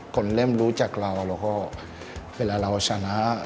คนเริ่มรู้จักเราแล้วก็เวลาเราชนะ